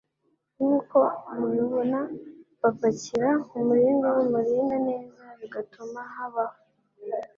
Nkuko mubibona bapakira umuringa wumuringa neza bigatuma habaho